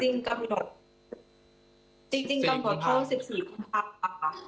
จริงกำหนดเพราะว่า๑๔ค่ะ